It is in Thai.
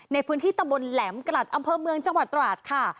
ในพื้นที่ตำบลแหลมกลัดอำเภอเมืองจังหวัดตราดค่ะ